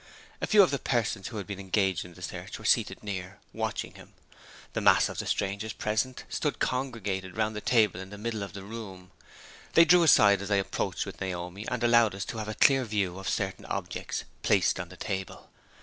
A few of the persons who had been engaged in the search were seated near, watching him. The mass of the strangers present stood congregated round a table in the middle of the room They drew aside as I approached with Naomi and allowed us to have a clear view of certain objects placed on the table.